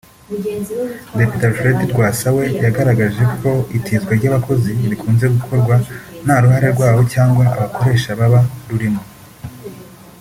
Depite Alfred Rwasa we yagaragaje ko itizwa ry’abakozi rikunze gukorwa nta ruhare rwabo cyangwa abakoresha babo rurimo